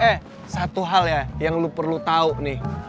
eh satu hal ya yang lu perlu tahu nih